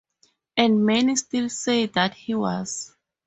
And many still say that he was.